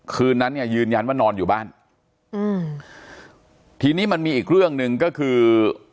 คืนนั้นเนี่ยยืนยันว่านอนอยู่บ้านอืมทีนี้มันมีอีกเรื่องหนึ่งก็คือ